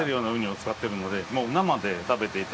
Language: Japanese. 使ってるので。